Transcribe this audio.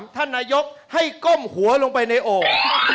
ท่านนายกให้ก้มหัวลงไปในโอ่ง